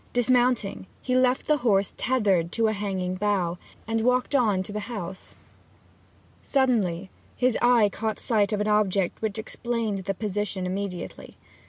Dismounting, he left the horse tethered to a hanging bough, and walked on to the house. Suddenly his eye caught sight of an object which explained the position immediately.